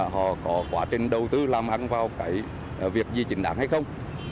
họ có quá trình đầu tư làm hắn vào việc gì chính đáng hay không